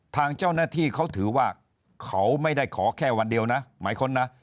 ทางเจ้าหน้าที่เขาถือว่าเขาไม่ได้ขอแค่วันเดียวนะหมายค้นนะ